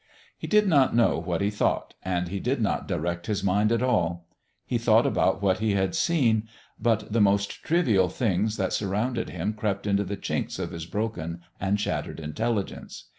He did not know what he thought, and he did not direct his mind at all. He thought about what he had seen, but the most trivial things that surrounded him crept into the chinks of his broken and shattered intelligence.